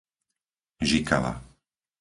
Žikava